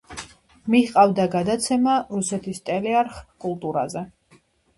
მიჰყავდა გადაცემა რუსეთის ტელეარხ „კულტურაზე“.